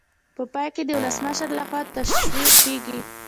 په پای کې د ولسمشر لخوا توشیح کیږي.